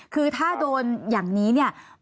คือถ้าโดนอย่างนี้เนี่ย